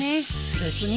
別に。